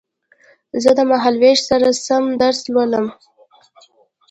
زه د مهال وېش سره سم درس لولم